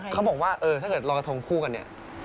เขาบอกว่าถ้าเกิดลอยกระทงคู่กันเนี่ย